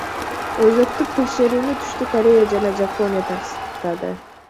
Өзөктүк текшерүүнү Түштүк Корея жана Жапония тастыктады.